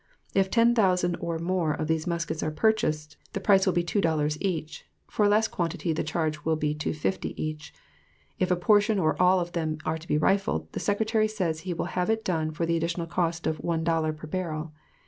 If ten thousand or more of these muskets are purchased, the price will be two ($2) dollars each; for a less quantity the charge will be $2.50 each. If a portion or all of them are to be rifled, the Secretary says he will have it done for the additional cost of one ($1) dollar per barrel.